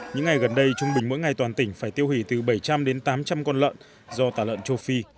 những ngày gần đây trung bình mỗi ngày toàn tỉnh phải tiêu hủy từ bảy trăm linh đến tám trăm linh con lợn do tả lợn châu phi